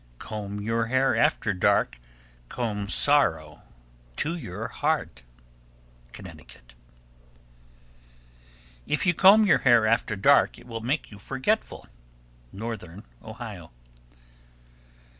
Comb your hair after dark, Comb sorrow to your heart. Connecticut. 1291. If you comb your hair after dark, it will make you forgetful. _Northern Ohio.